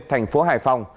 thành phố hải phòng